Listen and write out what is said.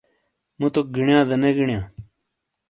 موتوک گینیاں دا نے گینیاں ؟